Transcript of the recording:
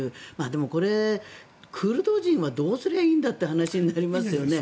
でもこれ、クルド人はどうすればいいんだという話になりますよね。